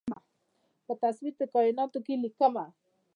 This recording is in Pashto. په تصویر د کائیناتو کې ليکمه